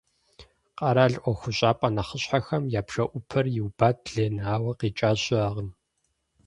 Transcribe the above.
Къэрал ӏуэхущӏапӏэ нэхъыщхьэхэм я бжэӏупэр иубат Ленэ, ауэ къикӏа щыӏэкъым.